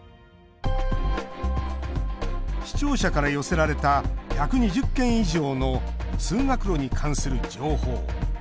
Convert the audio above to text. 視聴者から寄せられた１２０件以上の通学路に関する情報。